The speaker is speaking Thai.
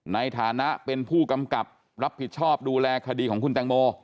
ในฐานะเป็นผู้กำกับรับผิดชอบดูแลคดีของคุณแตงโม